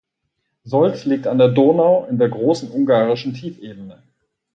Solt liegt an der Donau, in der großen Ungarischen Tiefebene.